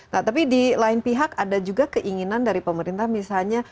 nah tapi di lain pihak ada juga keinginan dari pemerintah misalnya